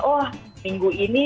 oh minggu ini